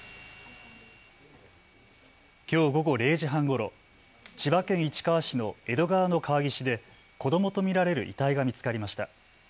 きょう午後０時半ごろ、千葉県市川市の江戸川の川岸で子どもと見られる遺体が見つかりました。